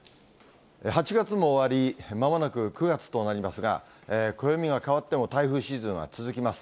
８月も終わり、まもなく９月となりますが、暦が変わっても、台風シーズンは続きます。